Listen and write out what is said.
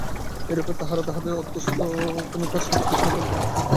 এইরূপেই তাহারা তাহাদের অভ্যস্ত কোন কাজ নিখুঁতভাবে সম্পাদন করিতে সমর্থ হয়।